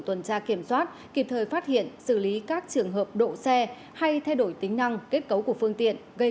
tuần tra kiểm soát kịp thời phát hiện xử lý các trường hợp độ xe hay thay đổi tính năng